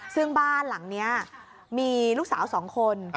ซึ่งบ้านหลังนี้มีลูกสาว๒คน